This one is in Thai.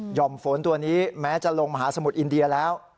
่อมฝนตัวนี้แม้จะลงมหาสมุทรอินเดียแล้ว